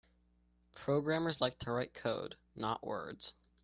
Programmers like to write code; not words.